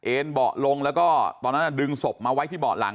เบาะลงแล้วก็ตอนนั้นดึงศพมาไว้ที่เบาะหลัง